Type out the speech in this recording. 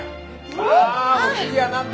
さあお次は何だ？